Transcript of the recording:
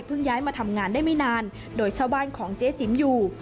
ย้ายมาทำงานได้ไม่นานโดยเช่าบ้านของเจ๊จิ๋มอยู่